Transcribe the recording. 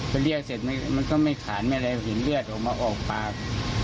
พอเรียกเสร็จมันก็ไม่ขานไม่อะไรเห็นเลือดออกมาออกปาก